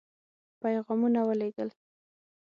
پيغامونه ولېږل.